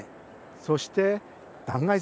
そして断崖絶壁。